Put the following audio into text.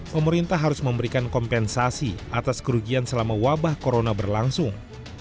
pemerintah harus memberikan kompensasi atas kerugian selama wabah corona berlangsung